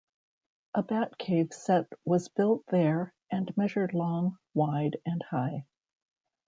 A Batcave set was built there and measured long, wide, and high.